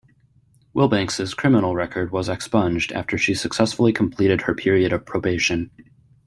Wilbanks's criminal record was expunged after she successfully completed her period of probation.